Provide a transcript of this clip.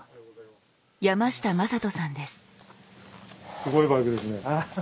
すごいバイクですね。